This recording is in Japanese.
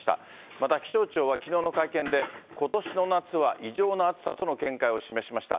また、気象庁はきのうの会見で、ことしの夏は異常な暑さとの見解を示しました。